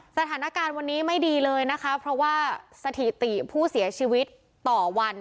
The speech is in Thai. สถานการณ์วันนี้ไม่ดีเลยนะคะเพราะว่าสถิติผู้เสียชีวิตต่อวัน